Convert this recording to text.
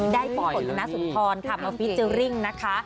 ได้ผลของนัทสุนทรทำเอาฟีเจอร์ริ่งนะคะ